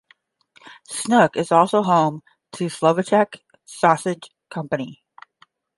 Snook is also home to Slovacek Sausage Company.